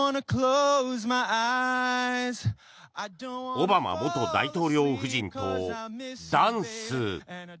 オバマ元大統領夫人とダンス。